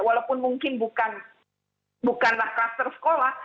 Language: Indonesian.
walaupun mungkin bukanlah kluster sekolah